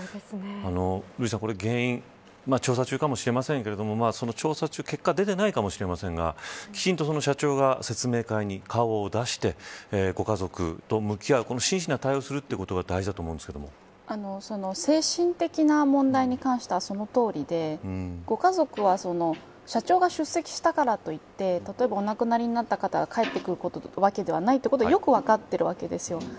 瑠麗さん、これ原因調査中かもしれませんけれども調査中で結果が出てないかもしれませんがきちんと社長が説明会に顔を出してご家族と向き合う、真摯な対応をするということがその精神的な問題に関してはそのとおりでご家族は社長が出席したからといって例えばお亡くなりになった方が帰ってくるわけではないってことはよく分かっているわけですよね。